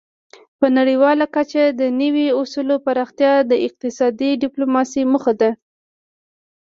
په نړیواله کچه د نوي اصولو پراختیا د اقتصادي ډیپلوماسي موخه ده